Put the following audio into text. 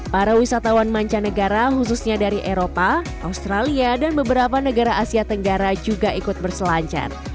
para wisatawan mancanegara khususnya dari eropa australia dan beberapa negara asia tenggara juga ikut berselancar